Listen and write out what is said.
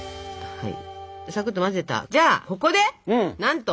はい！